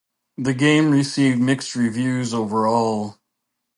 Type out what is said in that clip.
The game received mixed reviews overall.